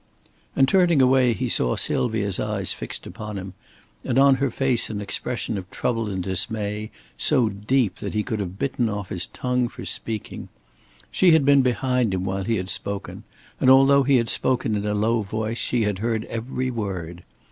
And turning away he saw Sylvia's eyes fixed upon him, and on her face an expression of trouble and dismay so deep that he could have bitten off his tongue for speaking. She had been behind him while he had spoken; and though he had spoken in a low voice, she had heard every word.